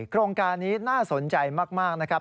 โครงการนี้น่าสนใจมากนะครับ